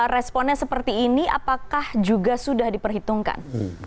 responnya seperti ini apakah juga sudah diperhitungkan